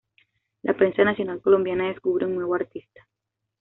La prensa nacional colombiana descubre un nuevo artista.